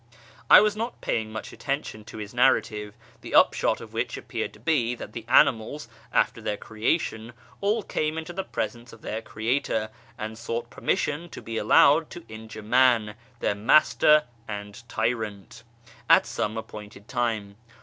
I was not paying much attention to his narrative, the upshot of which appeared to be that the animals after their creation all came into the presence of their Creator and sought permission to be allowed to injure man, their master and tyrant, at some appointed time.